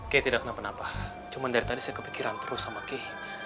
kay tidak kenapa napa cuma dari tadi saya kepikiran terus sama kay